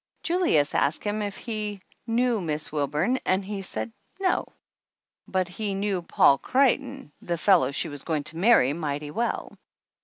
Julius asked him if he knew Miss Wilburn and he said no, but he knew Paul Creighton, the fellow she was going to marry, mighty well.